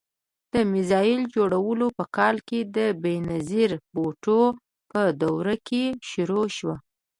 د میزایل جوړول په کال کې د بېنظیر بوټو په دور کې شروع شو.